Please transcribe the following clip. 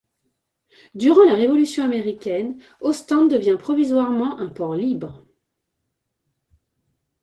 Durant la Révolution américaine, Ostende devient provisoirement un port libre.